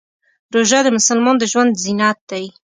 روژه د مسلمان د ژوند زینت دی.